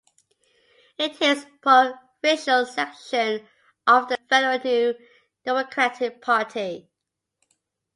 It is a provincial section of the federal New Democratic Party.